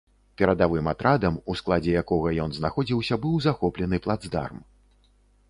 Перадавым атрадам, у складзе якога ён знаходзіўся быў захоплены плацдарм.